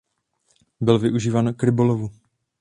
Byl využíván k rybolovu.